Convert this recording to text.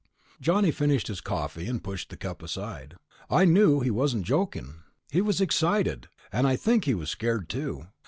Johnny finished his coffee and pushed the cup aside. "I knew he wasn't joking. He was excited, and I think he was scared, too.